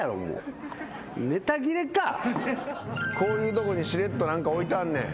こういうとこにしれっと置いてあんねん。